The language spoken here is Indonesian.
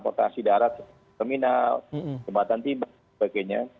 pengasih daerah terminal tempatan timbang sebagainya